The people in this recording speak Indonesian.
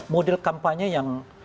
model kampanye yang